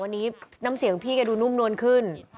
วันนี้น้ำเสียงพี่แกดูนุ่มนวลขึ้น